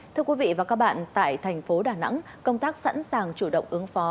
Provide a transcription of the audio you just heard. thưa quý vị và các bạn tại thành phố đà nẵng công tác sẵn sàng chủ động ứng phó